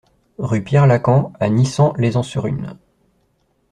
Rue Pierre Lacans à Nissan-lez-Enserune